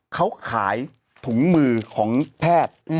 เขาขายถุงมือของแพทย์